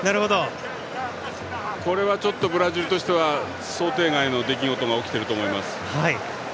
これはちょっとブラジルとしては想定外の出来事が起きていると思います。